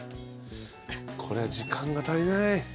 これは時間が足りない。